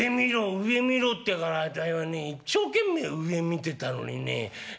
上見ろってからあたいはね一生懸命上見てたのにねええ？